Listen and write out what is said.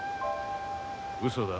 うそだ。